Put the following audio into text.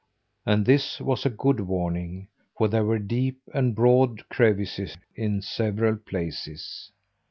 And this was a good warning, for there were deep and broad crevices in several places.